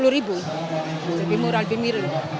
lebih murah lebih miring